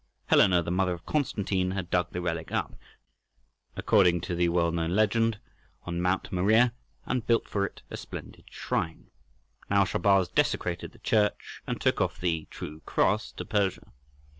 Helena, the mother of Constantine, had dug the relic up, according to the well known legend, on Mount Moriah, and built for it a splendid shrine. Now Shahrbarz desecrated the church and took off the "True Cross" to Persia.